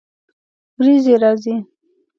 ورېځې راځي